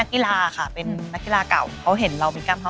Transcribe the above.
ก็ฟีเป็นยังไงคะ